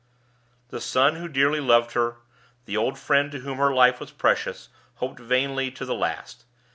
The son who dearly loved her, the old friend to whom her life was precious, hoped vainly to the last.